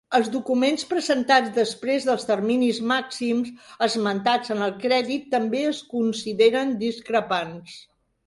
Els documents presentats després dels terminis màxims esmentats en el crèdit també es consideren discrepants.